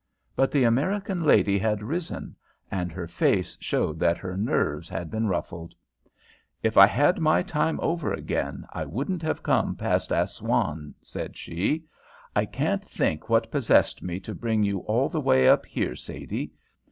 But the American lady had risen, and her face showed that her nerves had been ruffled. "If I had my time over again I wouldn't have come past Assouan," said she. "I can't think what possessed me to bring you all the way up here, Sadie.